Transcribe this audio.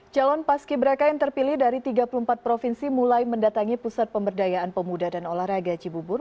calon paski braka yang terpilih dari tiga puluh empat provinsi mulai mendatangi pusat pemberdayaan pemuda dan olahraga cibubur